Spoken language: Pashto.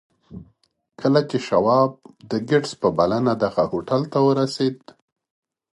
خو کله چې شواب د ګيټس په بلنه دغه هوټل ته ورسېد.